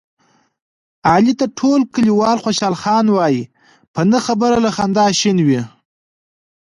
علي ته ټول کلیوال خوشحال خان وایي، په نه خبره له خندا شین وي.